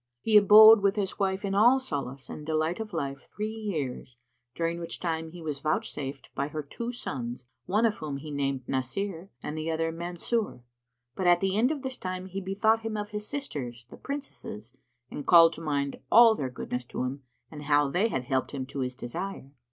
He abode with his wife in all solace and delight of life three years, during which time he was vouchsafed by her two sons, one of whom he named Násir and the other Mansúr: but, at the end of this time he bethought him of his sisters, the Princesses, and called to mind all their goodness to him and how they had helped him to his desire.